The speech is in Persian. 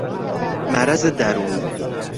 مرض درونی